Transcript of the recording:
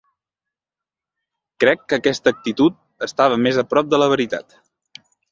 Crec que aquesta actitud estava més a prop de la veritat